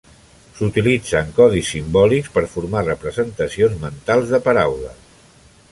S'utilitzen codis simbòlics per formar representacions mentals de paraules.